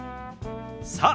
さあ